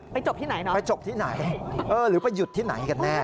จบที่ไหนนะไปจบที่ไหนเออหรือไปหยุดที่ไหนกันแน่